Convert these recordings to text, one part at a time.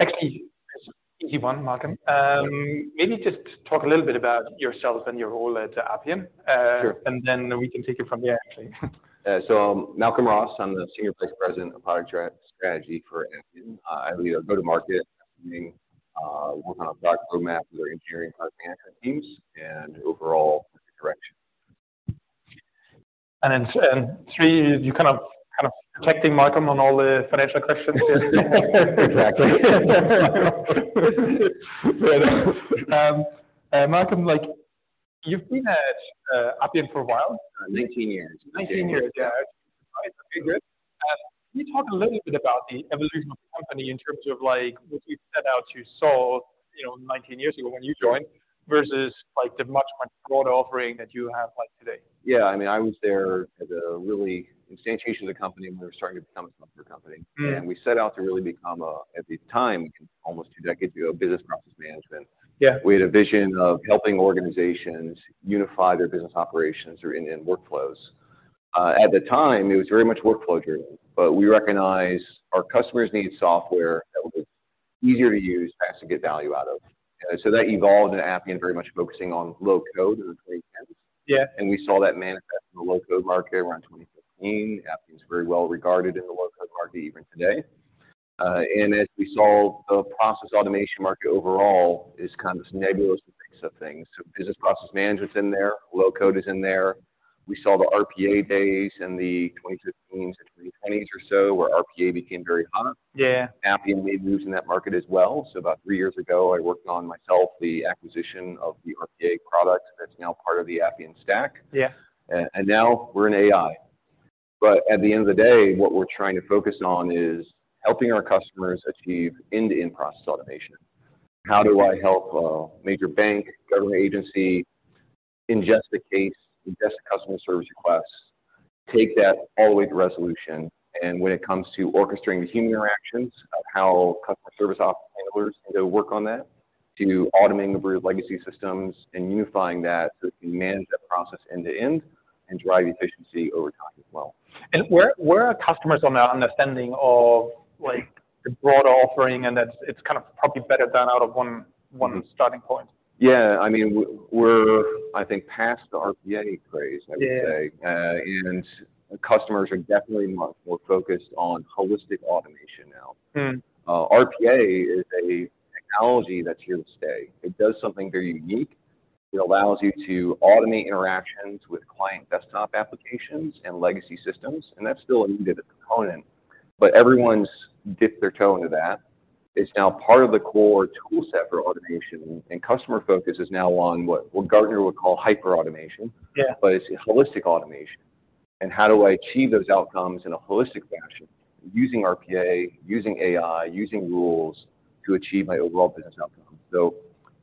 Actually, easy one, Malcolm. Maybe just talk a little bit about yourself and your role at Appian. Sure. We can take it from there, actually. So, Malcolm Ross, I'm the Senior Vice President of Product Strategy for Appian. I lead our go-to-market, meaning working on product roadmaps with our engineering, product management teams, and overall direction. You're kind of protecting Malcolm on all the financial questions. Exactly. Malcolm, like, you've been at Appian for a while? 19 years. 19 years, yeah. Quite a bit. Can you talk a little bit about the evolution of the company in terms of like what you set out to solve, you know, 19 years ago when you joined, versus like the much, much broader offering that you have, like, today? Yeah. I mean, I was there at the really instantiation of the company, when we were starting to become a software company. Mm. We set out to really become a, at the time, almost two decades ago, business process management. Yeah. We had a vision of helping organizations unify their business operations or end-to-end workflows. At the time, it was very much workflow driven, but we recognized our customers needed software that would be easier to use and actually get value out of. That evolved into Appian very much focusing on low-code in the 2010s. Yeah. We saw that manifest in the low-code market around 2015. Appian is very well regarded in the low-code market even today. As we saw, the process automation market overall is kind of this nebulous mix of things. Business process management's in there, low-code is in there. We saw the RPA days in the 2015 to 2020s or so, where RPA became very hot. Yeah. Appian made moves in that market as well. About three years ago, I worked on, myself, the acquisition of the RPA product that's now part of the Appian stack. Yeah. And now we're in AI. But at the end of the day, what we're trying to focus on is helping our customers achieve end-to-end process automation. How do I help a major bank, government agency, ingest a case, ingest a customer service request, take that all the way to resolution? And when it comes to orchestrating the human interactions of how customer service office handlers work on that, to automating the legacy systems and unifying that so it can manage that process end-to-end and drive efficiency over time as well. And where are customers on that understanding of, like, the broad offering? And that's. It's kind of probably better done out of one starting point. Mm-hmm. Yeah, I mean, we're, I think, past the RPA craze, I would say. Yeah. Customers are definitely much more focused on holistic automation now. Mm. RPA is a technology that's here to stay. It does something very unique. It allows you to automate interactions with client desktop applications and legacy systems, and that's still a needed component, but everyone's dipped their toe into that. It's now part of the core toolset for automation, and customer focus is now on what Gartner would call hyperautomation. Yeah. But it's holistic automation, and how do I achieve those outcomes in a holistic fashion using RPA, using AI, using rules to achieve my overall business outcome?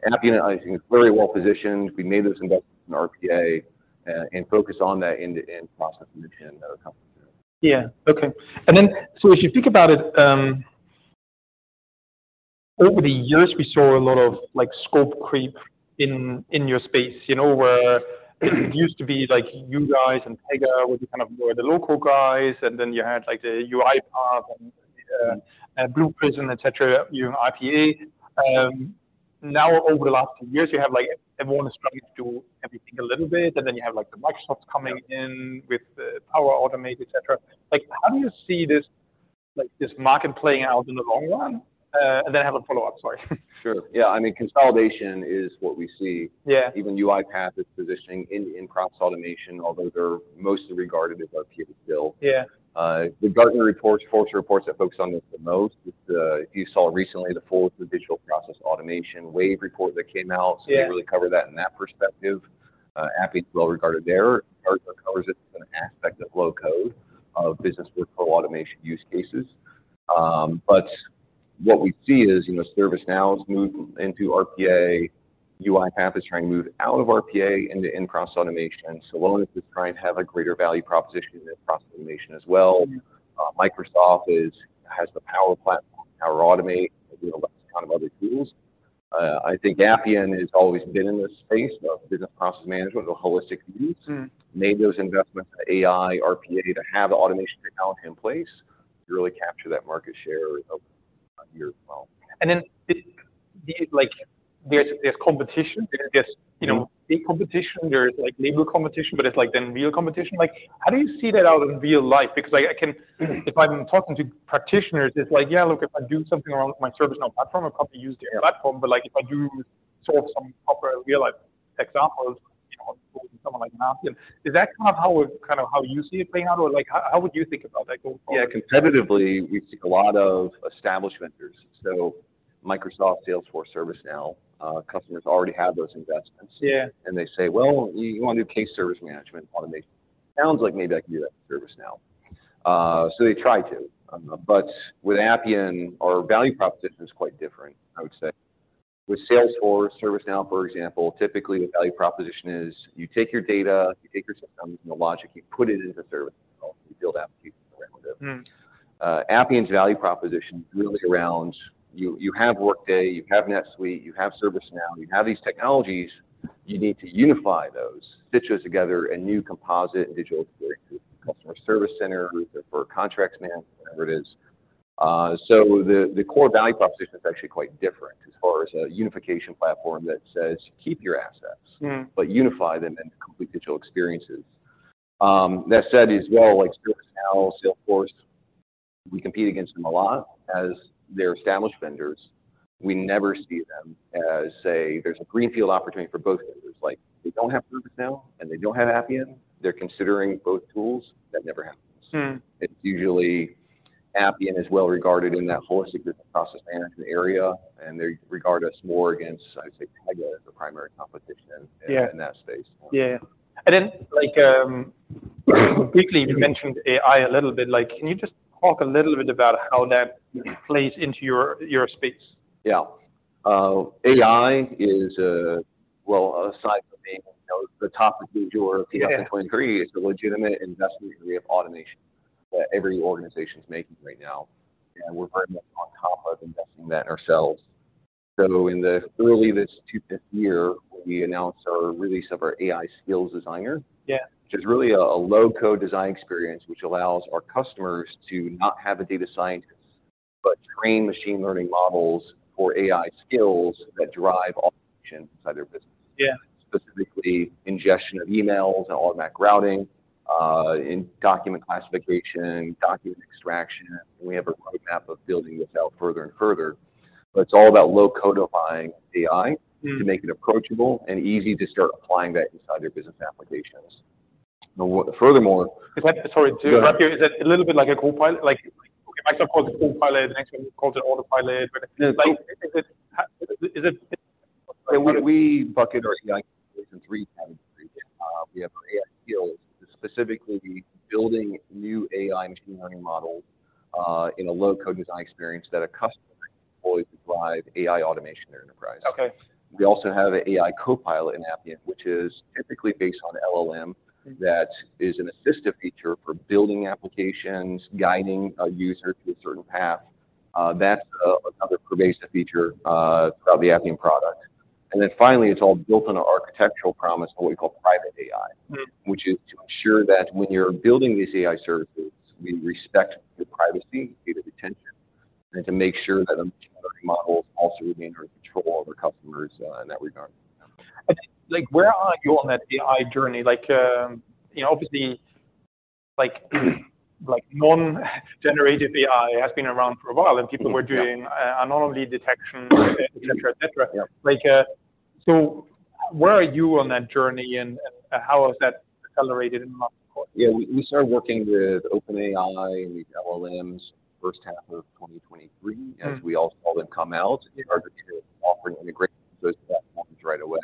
So Appian, I think, is very well positioned. We made those investments in RPA, and focus on that end-to-end process and other companies. Yeah. Okay. And then, so as you think about it, over the years, we saw a lot of, like, scope creep in, in your space, you know, where it used to be like you guys and Pega, where you kind of were the local guys, and then you had, like, the UiPath and, Blue Prism, et cetera, you know, IPA. Now, over the last two years, you have, like, everyone is trying to do everything a little bit, and then you have, like, the Microsoft coming in with the Power Automate, et cetera. Like, how do you see this, like, this market playing out in the long run? And then I have a follow-up. Sorry. Sure. Yeah, I mean, consolidation is what we see. Yeah. Even UiPath is positioning in end-to-end process automation, although they're mostly regarded as RPA still. Yeah. The Gartner reports, Forrester reports that focus on this the most. It's the. If you saw recently, the Forrester Digital Process Automation Wave report that came out- Yeah So they really cover that in that perspective. Appian is well regarded there. Forrester covers it as an aspect of low-code of business workflow automation use cases. But what we see is, you know, ServiceNow's moved into RPA. UiPath is trying to move out of RPA into end-to-end process automation. Celonis is trying to have a greater value proposition than process automation as well. Microsoft has the Power Platform, Power Automate, and a bunch of kind of other tools. I think Appian has always been in this space of business process management with a holistic view. Mm. Made those investments in AI, RPA, to have the automation technology in place to really capture that market share of yours, well. And then, like, there's competition. There's just- Mm-hmm You know, big competition. There's, like, labor competition, but it's like then real competition. Like, how do you see that out in real life? Because I can, Mm-hmm If I'm talking to practitioners, it's like, yeah, look, if I do something around with my ServiceNow platform, I probably use their platform. Yeah. But like, if I do solve some proper real-life examples, you know, someone like Appian, is that kind of how, kind of how you see it playing out? Or like, how, how would you think about that going forward? Yeah, competitively, we see a lot of established vendors. So Microsoft, Salesforce, ServiceNow, customers already have those investments. Yeah. And they say, "Well, we want to do case service management automation. Sounds like maybe I can do that with ServiceNow." So they try to, but with Appian, our value proposition is quite different, I would say. With Salesforce, ServiceNow, for example, typically, the value proposition is you take your data, you take your systems and the logic, you put it into ServiceNow, you build applications around it. Mm. Appian's value proposition really around you have Workday, you have NetSuite, you have ServiceNow, you have these technologies. You need to unify those, stitch those together, a new composite, individual customer service center for contracts management, whatever it is. So the core value proposition is actually quite different as far as a unification platform that says, "Keep your assets, Mm-hmm. But unify them into complete digital experiences. That said as well, like ServiceNow, Salesforce, we compete against them a lot as they're established vendors. We never see them as, say, there's a greenfield opportunity for both vendors. Like, they don't have ServiceNow, and they don't have Appian. They're considering both tools, that never happens. Mm. It's usually Appian is well regarded in that whole significant process management area, and they regard us more against, I'd say, Pega as the primary competition Yeah in that space. Yeah. And then, like, quickly, you mentioned AI a little bit, like, can you just talk a little bit about how that plays into your, your space? Yeah. AI is, well, aside from being, you know, the top of your- Yeah Hyperautomation is the legitimate investment degree of automation that every organization is making right now, and we're very much on top of investing that ourselves. So in the early this 25th year, we announced our release of our AI Skills Designer. Yeah. Which is really a low-code design experience, which allows our customers to not have a data scientist, but train machine learning models for AI skills that drive automation inside their business. Yeah. Specifically, ingestion of emails and automatic routing in document classification, document extraction. We have a roadmap of building this out further and further, but it's all about low-codifying AI. Mm. to make it approachable and easy to start applying that inside their business applications. Now, furthermore- Sorry to interrupt you. Is it a little bit like a copilot? Like, Microsoft calls it Copilot, next one calls it Autopilot. No. But, like, is it, how? Is it? When we bucket our AI in three categories, we have our AI skills to specifically be building new AI machine learning models, in a low-code design experience that a customer can fully drive AI automation in their enterprise. Okay. We also have an AI Copilot in Appian, which is typically based on LLM, that is an assistive feature for building applications, guiding a user through a certain path. That's another pervasive feature of the Appian product. And then finally, it's all built on an architectural promise, what we call Private AI. Mm. Which is to ensure that when you're building these AI services, we respect the privacy, data retention, and to make sure that the machine learning models also remain under control of our customers, in that regard. Like, where are you on that AI journey? Like, you know, obviously, like, like non-generative AI has been around for a while, and people were doing- Yeah Anomaly detection, et cetera, et cetera. Yeah. Like, so where are you on that journey, and how has that accelerated in the multiple course? Yeah, we started working with OpenAI and with LLMs first half of 2023- Mm. -as we all saw them come out, in order to offer an integration to those platforms right away.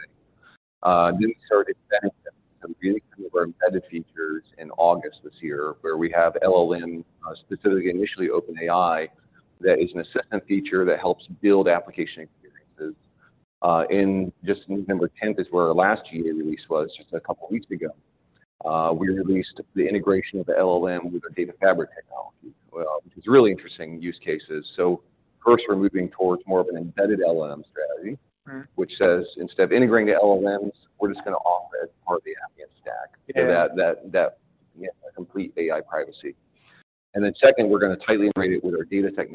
Then we started benefiting some of our embedded features in August this year, where we have LLM, specifically initially OpenAI, that is an assistant feature that helps build application experiences. In just November tenth is where our last GA release was, just a couple of weeks ago. We released the integration of the LLM with our Data Fabric technology, which is really interesting use cases. So first, we're moving towards more of an embedded LLM strategy- Mm. which says, instead of integrating the LLMs, we're just going to offer it as part of the Appian stack. Yeah. A complete private AI. And then second, we're going to tightly integrate it with our Data Fabric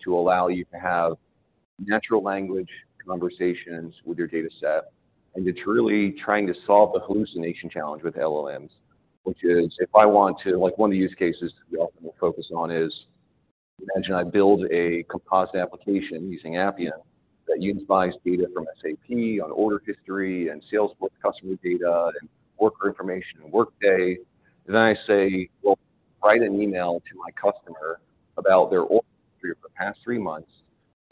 to allow you to have natural language conversations with your data set, and it's really trying to solve the hallucination challenge with LLMs, which is, if I want to. Like, one of the use cases we often will focus on is, imagine I build a composite application using Appian, that utilizes data from SAP on order history, and Salesforce customer data, and worker information, and Workday. And then I say, "Well, write an email to my customer about their order history of the past three months,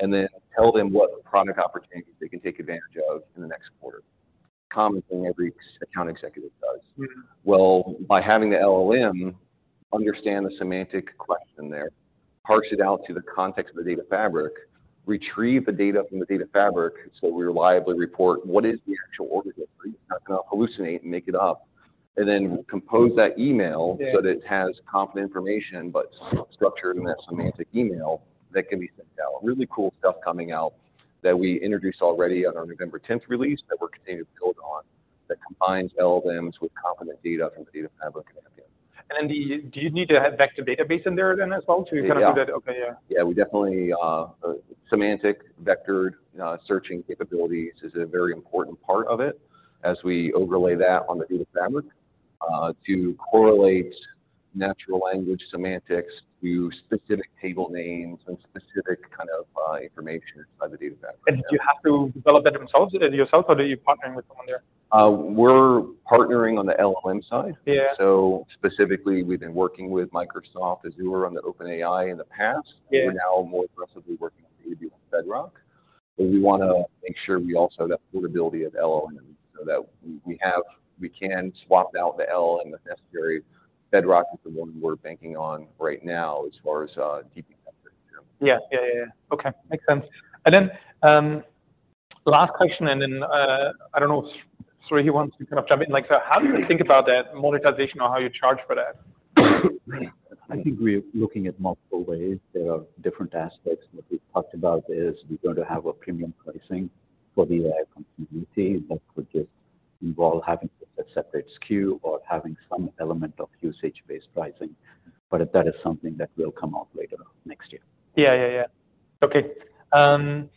and then tell them what product opportunities they can take advantage of in the next quarter." Common thing every account executive does. Mm-hmm. Well, by having the LLM understand the semantic question there, parse it out to the context of the Data Fabric, retrieve the data from the Data Fabric, so we reliably report what is the actual order history, not gonna hallucinate and make it up, and then compose that email. Yeah So that it has confident information, but structured in that semantic email that can be sent out. Really cool stuff coming out that we introduced already on our November tenth release, that we're continuing to build on, that combines LLMs with competent data from the Data Fabric in Appian. Do you need to have vector database in there then as well? Yeah To kind of do that? Okay, yeah. Yeah, we definitely semantic vector searching capabilities is a very important part of it, as we overlay that on the Data Fabric, to correlate natural language semantics to specific table names and specific kind of information by the Data Fabric. Do you have to develop that themselves, yourself, or are you partnering with someone there? We're partnering on the LLM side. Yeah. Specifically, we've been working with Microsoft Azure on the OpenAI in the past. Yeah. We're now more aggressively working with Amazon Bedrock. We wanna make sure we also have that portability of LLM, so that we have. We can swap out the LLM if necessary. Bedrock is the one we're banking on right now as far as deep concern. Yeah. Yeah, yeah, yeah. Okay, makes sense. And then, last question, and then, I don't know, Sri, he wants to kind of jump in. Like, how do you think about that monetization or how you charge for that? I think we're looking at multiple ways. There are different aspects, and what we've talked about is we're going to have a premium pricing for the AI continuity that could just- Involve having a separate SKU or having some element of usage-based pricing, but that is something that will come out later next year. Yeah, yeah, yeah. Okay, and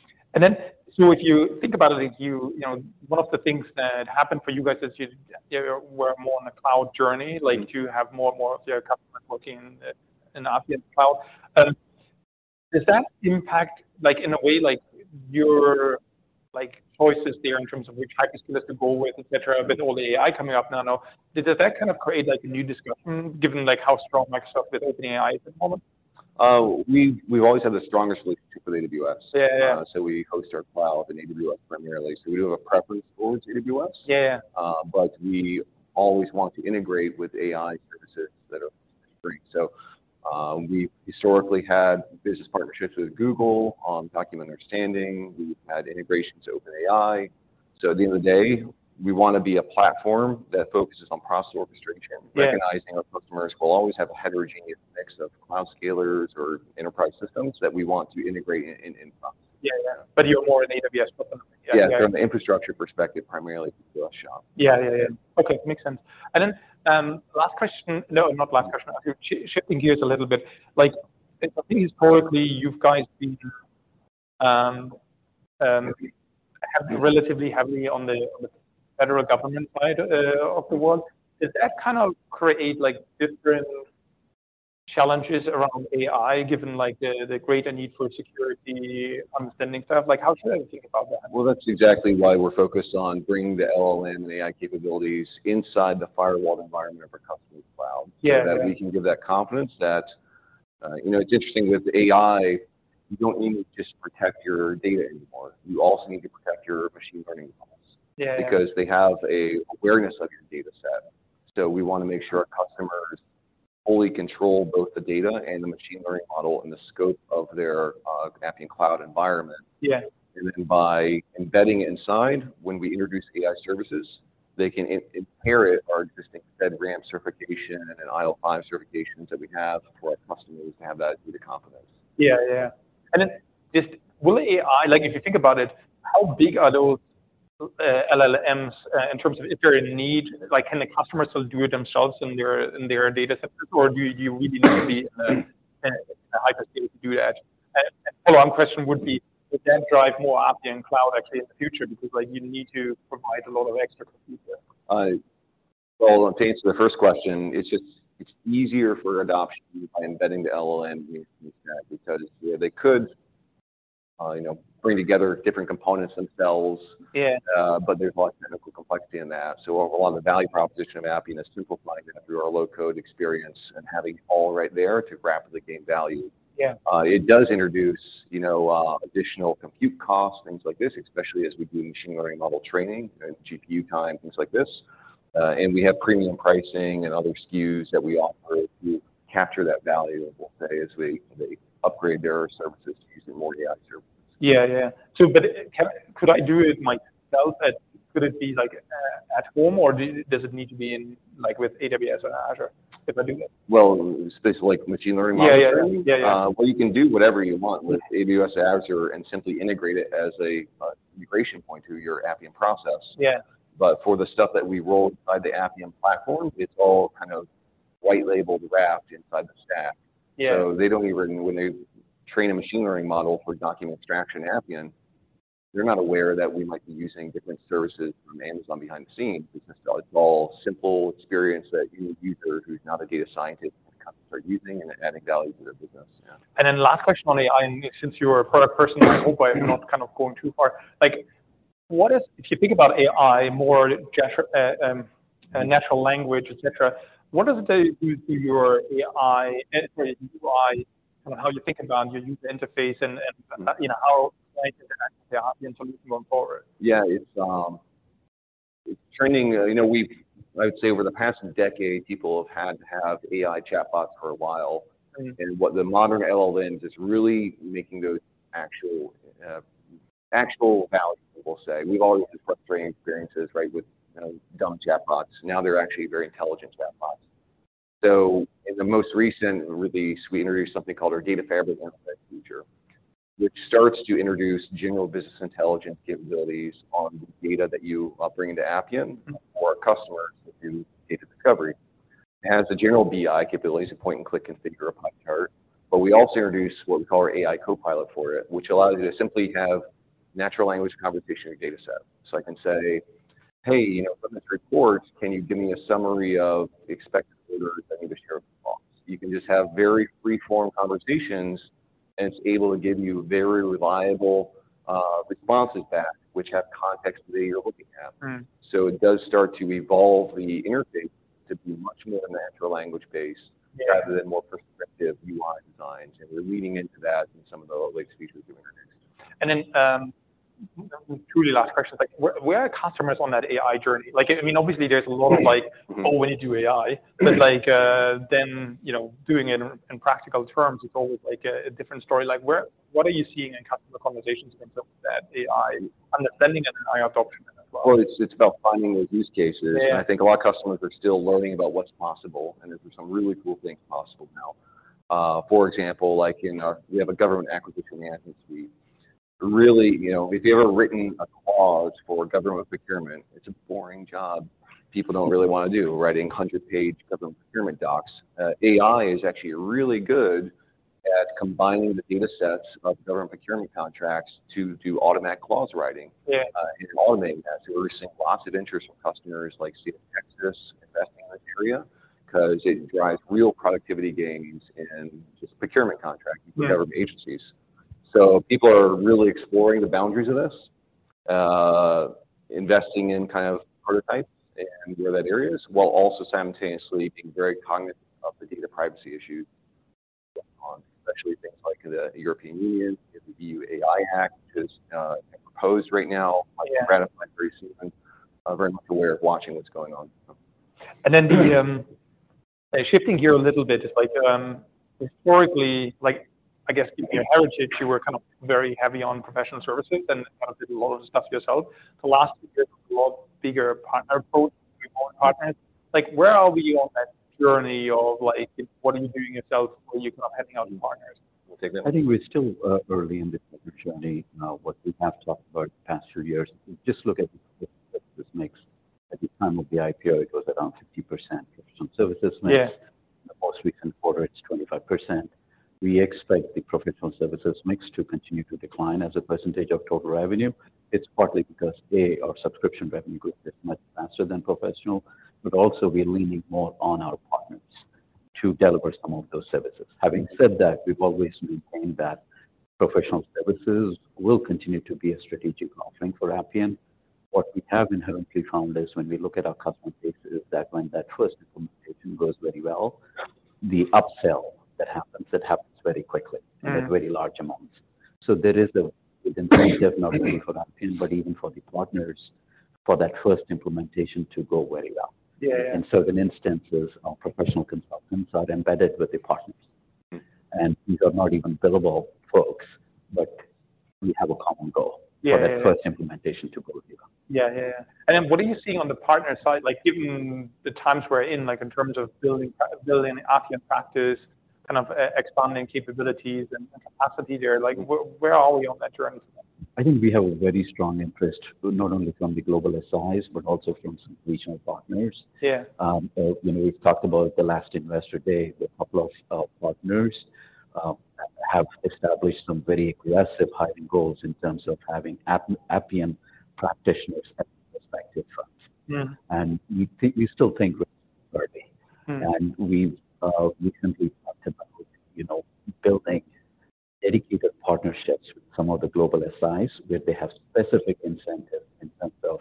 then so if you think about it, like you, you know, one of the things that happened for you guys is you, you were more on the cloud journey- Mm-hmm. You have more and more of your customers working in the Appian Cloud. Does that impact, like in a way, like your like choices there in terms of which type of skill set to go with, et cetera, with all the AI coming up now? Now, does that kind of create like a new discussion, given like how strong Microsoft and OpenAI is at the moment? We've always had the strongest relationship with AWS. Yeah, yeah. We host our cloud with AWS primarily. We do have a preference towards AWS. Yeah. But we always want to integrate with AI services that are free. So, we've historically had business partnerships with Google on document understanding. We've had integrations with OpenAI. So at the end of the day, we want to be a platform that focuses on process orchestration. Yeah. Recognizing our customers will always have a heterogeneous mix of cloud scalers or enterprise systems that we want to integrate in-house. Yeah, yeah. But you're more in the AWS platform? Yeah. Yeah, from the infrastructure perspective, primarily AWS shop. Yeah, yeah, yeah. Okay, makes sense. And then, last question. No, not last question. Shifting gears a little bit, like, I think historically, you guys been heavy, relatively heavily on the federal government side of the world. Does that kind of create, like, different challenges around AI, given, like, the greater need for security, understanding stuff? Like, how should I think about that? Well, that's exactly why we're focused on bringing the LLM and AI capabilities inside the firewall environment of our customers' cloud. Yeah. So that we can give that confidence that you know, it's interesting, with AI, you don't need to just protect your data anymore. You also need to protect your machine learning models- Yeah, yeah. because they have an awareness of your data set. So we want to make sure our customers fully control both the data and the machine learning model and the scope of their Appian Cloud environment. Yeah. And then by embedding it inside, when we introduce AI services, they can inherit our existing FedRAMP certification and IL5 certifications that we have for our customers to have that data confidence. Yeah, yeah. And then just, will AI, Like, if you think about it, how big are those LLMs in terms of if they're in need, like, can the customers still do it themselves in their, in their data set? Or do you really need the hyperscale to do that? And a follow-on question would be, would that drive more Appian Cloud actually in the future? Because, like, you need to provide a lot of extra compute there. To answer the first question, it's just, it's easier for adoption by embedding the LLM because, yeah, they could, you know, bring together different components themselves. Yeah. But there's a lot of technical complexity in that. So on the value proposition of Appian is simplifying it through our low-code experience and having it all right there to rapidly gain value. Yeah. It does introduce, you know, additional compute costs, things like this, especially as we do machine learning model training, GPU time, things like this. And we have premium pricing and other SKUs that we offer to capture that value as they upgrade their services to using more AI services. Yeah, yeah. So but could I do it myself? Could it be, like, at home, or does it need to be in, like, with AWS or Azure if I do that? Well, specifically like machine learning models? Yeah, yeah. Yeah, yeah. Well, you can do whatever you want with AWS, Azure, and simply integrate it as an integration point through your Appian process. Yeah. But for the stuff that we roll by the Appian Platform, it's all kind of white-labeled, wrapped inside the stack. Yeah. They don't even when they train a machine learning model for document extraction in Appian, they're not aware that we might be using different services from Amazon behind the scenes because it's all simple experience that you, a user who's not a data scientist, are using and adding value to their business. Then last question on AI, and since you're a product person, I hope I'm not kind of going too far. Like, what is If you think about AI, more natural language, et cetera, what does it do to your AI end-to-end UI, kind of how you think about your user interface and, you know, how might it connect to Appian going forward? Yeah, it's trending. You know, I would say over the past decade, people have had to have AI chatbots for a while. Mm-hmm. What the modern LLMs is really making those actual, actual value, we'll say. We've always had frustrating experiences, right, with, you know, dumb chatbots. Now, they're actually very intelligent chatbots. So in the most recent release, we introduced something called our Data Fabric feature, which starts to introduce general business intelligence capabilities on data that you bring into Appian or customers that do data recovery. It has the general BI capabilities to point and click configure a pie chart, but we also introduce what we call our AI Copilot for it, which allows you to simply have natural language conversation data set. So I can say, "Hey, you know, from this report, can you give me a summary of expected orders I need to share with folks?" You can just have very free form conversations, and it's able to give you very reliable responses back, which have context that you're looking at. Right. It does start to evolve the interface to be much more natural language-based, Yeah Rather than more perspective UI designs. We're leaning into that in some of the latest features we introduced. And then, truly last question, like, where, where are customers on that AI journey? Like, I mean, obviously, there's a lot of like- Mm-hmm Oh, we need to do AI. Mm-hmm. But like, then, you know, doing it in practical terms is always, like, a different story. Like, where, what are you seeing in customer conversations in terms of that AI understanding and AI adoption as well? Well, it's about finding those use cases. Yeah, yeah. I think a lot of customers are still learning about what's possible, and there's some really cool things possible now. For example, like in our we have a government acquisition management suite. Really, you know, if you've ever written a clause for government procurement, it's a boring job people don't really want to do, writing 100-page government procurement docs. AI is actually really good at combining the data sets of government procurement contracts to do automatic clause writing. Yeah. And automating that. So we're seeing lots of interest from customers like State of Texas investing in that area, 'cause it drives real productivity gains in just procurement contract, Yeah With government agencies. So people are really exploring the boundaries of this, investing in kind of prototypes and where that area is, while also simultaneously being very cognizant of the data privacy issues on especially things like the European Union, the EU AI Act, which is, proposed right now. Yeah. Ratified recently, very much aware of watching what's going on. Shifting gear a little bit, it's like, historically, like, I guess, your heritage, you were kind of very heavy on professional services and kind of did a lot of the stuff yourself. The last year, a lot bigger partner both partners. Like, where are we on that journey of, like, what are you doing yourself? Where you kind of heading out new partners? I think we're still early in the journey. Now, what we have talked about the past few years, just look at this mix. At the time of the IPO, it was around 50%. So services mix. Yeah The most recent quarter, it's 25%. We expect the professional services mix to continue to decline as a percentage of total revenue. It's partly because, A, our subscription revenue growth is much faster than professional, but also we're leaning more on our partners to deliver some of those services. Having said that, we've always maintained that professional services will continue to be a strategic offering for Appian. What we have inherently found is when we look at our customer bases, that when that first implementation goes very well, the upsell that happens, it happens very quickly. Mm-hmm. And at very large amounts. So there is the incentive not only for that, but even for the partners, for that first implementation to go very well. Yeah, yeah. And so in instances, our professional consultants are embedded with the partners, and these are not even billable folks, but we have a common goal. Yeah, yeah. for that first implementation to go well. Yeah, yeah. And then what are you seeing on the partner side? Like, given the times we're in, like, in terms of building Appian practice, kind of expanding capabilities and capacity there, like, where are we on that journey? I think we have a very strong interest, not only from the global SIs, but also from some regional partners. Yeah. You know, we've talked about the last investor day with a couple of partners have established some very aggressive hiring goals in terms of having Appian practitioners at the respective firms. Yeah. We still think early. Mm. We've recently talked about, you know, building dedicated partnerships with some of the global SIs, where they have specific incentives in terms of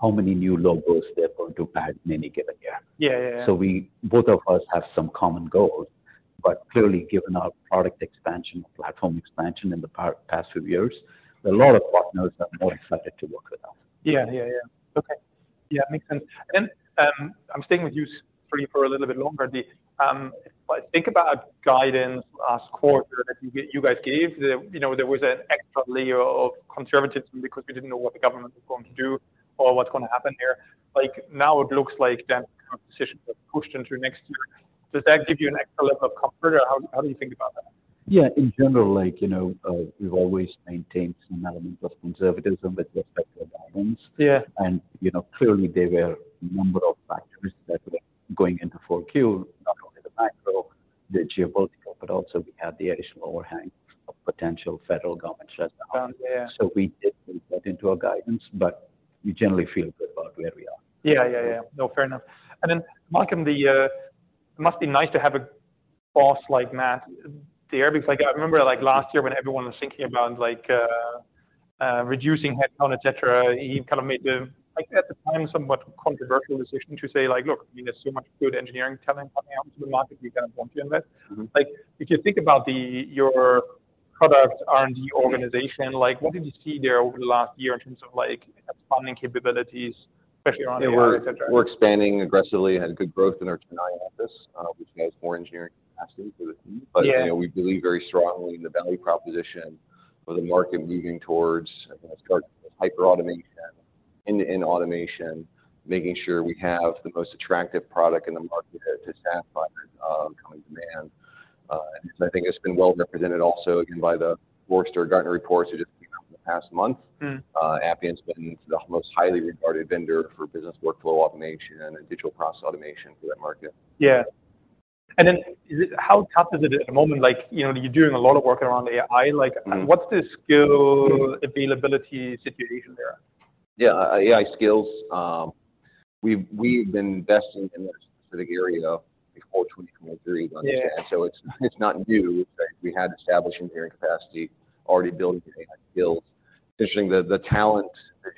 how many new logos they're going to add in any given year. Yeah, yeah. So we both of us have some common goals, but clearly, given our product expansion, platform expansion in the past few years, a lot of partners are more excited to work with us. Yeah, yeah, yeah. Okay. Yeah, makes sense. And, I'm staying with you three for a little bit longer. If I think about guidance last quarter that you guys gave, you know, there was an extra layer of conservatism because we didn't know what the government was going to do or what's going to happen here. Like, now it looks like that decision was pushed into next year. Does that give you an extra level of comfort, or how do you think about that? Yeah, in general, like, you know, we've always maintained some element of conservatism with respect to guidance. Yeah. You know, clearly, there were a number of factors that were going into Q4, not only the macro, the geopolitical, but also we had the additional overhang of potential federal government shutdown. Um, yeah. We did build that into our guidance, but we generally feel good about where we are. Yeah, yeah, yeah. No, fair enough. And then, Malcolm, the, it must be nice to have a boss like Matt there, because I remember, like, last year when everyone was thinking about, like, reducing headcount, et cetera, he kind of made the, like, at the time, somewhat controversial decision to say, like, "Look, there's so much good engineering talent coming out to the market, we kind of want you in that. Mm-hmm. Like, if you think about your product R&D organization, like, what did you see there over the last year in terms of, like, expanding capabilities, especially around AI, et cetera? We're expanding aggressively. We had good growth in our Chennai office, which has more engineering capacity for the team. Yeah. But, you know, we believe very strongly in the value proposition of the market moving towards, I think, hyperautomation, end-to-end automation, making sure we have the most attractive product in the market to staff partners, coming demand. I think it's been well represented also, again, by the Forrester Gartner report, so just in the past month. Mm. Appian's been the most highly regarded vendor for business workflow automation and digital process automation for that market. Yeah. And then, how tough is it at the moment? Like, you know, you're doing a lot of work around AI. Like- Mm. What's the skill availability situation there? Yeah, AI skills, we've been investing in that specific area before 2023. Yeah. So it's, it's not new. We had established engineering capacity, already building AI skills. From the talent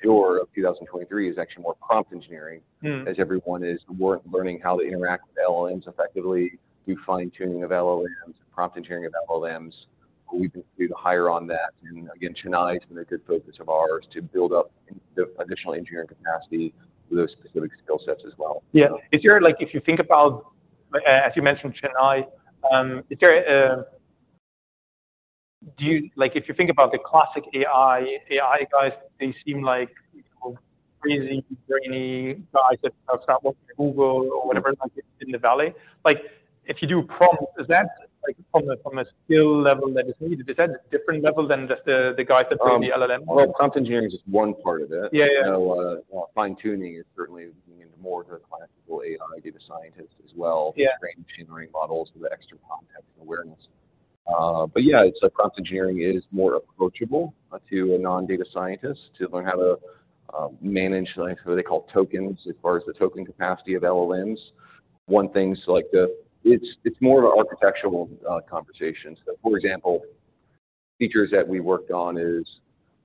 pool of 2023 is actually more prompt engineering- Mm. As everyone is working, learning how to interact with LLMs effectively, do fine-tuning of LLMs, prompt engineering of LLMs. We continue to hire on that. And again, Chennai has been a good focus of ours to build up the additional engineering capacity for those specific skill sets as well. Yeah. If you're like, if you think about, as you mentioned, Chennai, is there a? Do you like, if you think about the classic AI, AI guys, they seem like crazy, brainy guys that have start working at Google or whatever, like in the Valley. Like, if you do prompt, is that, like, from a, from a skill level that is needed? Is that a different level than just the, the guys that build the LLM? Well, prompt engineering is just one part of it. Yeah, yeah. So, fine-tuning is certainly looking into more of our classical AI data scientists as well. Yeah. Training engineering models with extra context and awareness. But yeah, it's prompt engineering is more approachable to a non-data scientist to learn how to manage what they call tokens, as far as the token capacity of LLMs. One thing, so like. It's more of an architectural conversation. So, for example, features that we worked on is,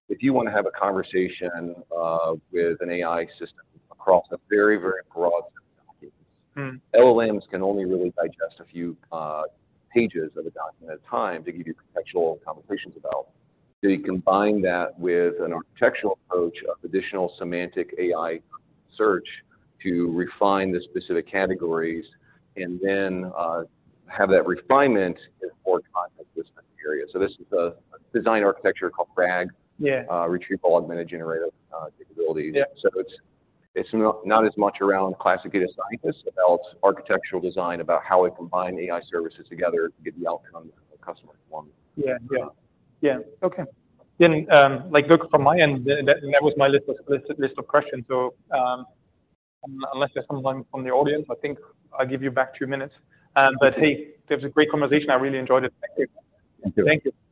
if you want to have a conversation with an AI system across a very, very broad set of documents- Mm. LLMs can only really digest a few pages of a document at a time to give you contextual conversations about. So you combine that with an architectural approach of additional semantic AI search to refine the specific categories, and then have that refinement for context this area. So this is a design architecture called RAG. Yeah. Retrieval Augmented Generation Capabilities. Yeah. So it's not as much around classic data scientists, about architectural design, about how we combine AI services together to get the outcome the customer want. Yeah. Yeah. Yeah. Okay. Then, like, look, from my end, that was my list of questions. So, unless there's someone from the audience, I think I'll give you back two minutes. But hey, it was a great conversation. I really enjoyed it. Thank you. Thank you. Thank you.